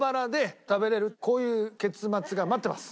こういう結末が待ってます。